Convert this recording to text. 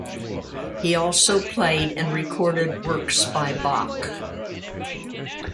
He also played and recorded works by Bach.